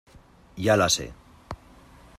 ya la sé.